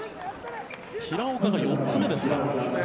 平岡が４つ目ですか。